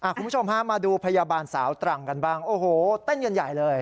คุณผู้ชมฮะมาดูพยาบาลสาวตรังกันบ้างโอ้โหเต้นกันใหญ่เลย